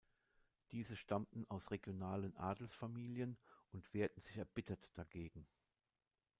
Diese stammten aus regionalen Adelsfamilien und wehrten sich erbittert dagegen.